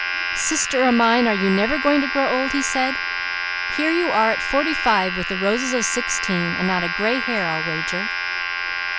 "Sister o' mine, are you never going to grow old?" he said. "Here you are at forty five with the roses of sixteen and not a gray hair, I'll wager."